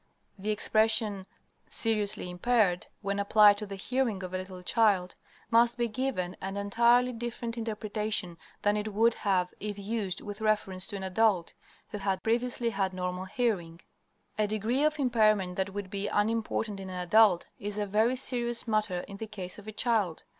The expression "seriously impaired," when applied to the hearing of a little child, must be given an entirely different interpretation than it would have if used with reference to an adult who had previously had normal hearing. A degree of impairment that would be unimportant in an adult is a very serious matter in the case of a child.